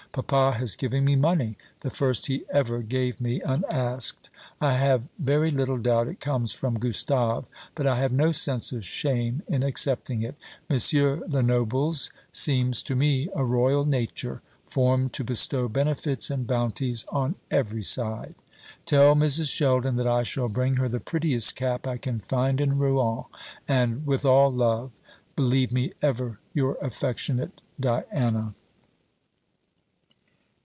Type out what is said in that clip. Papa has given me money the first he ever gave me unasked. I have very little doubt it comes from Gustave; but I have no sense of shame in accepting it. M. Lenoble's seems to me a royal nature, formed to bestow benefits and bounties on every side. Tell Mrs. Sheldon that I shall bring her the prettiest cap I can find in Rouen; and, with all love, believe me ever your affectionate DIANA.